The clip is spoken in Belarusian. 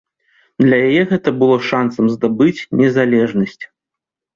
Для яе гэта было шанцам здабыць незалежнасць.